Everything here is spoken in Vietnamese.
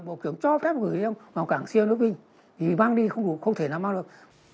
bộ trưởng cho phép gửi vào cảng siêu nước bình thì mang đi không thể nào mang được